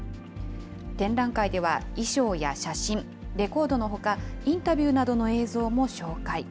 展覧会では衣装や写真、レコードのほか、インタビューなどの映像も紹介。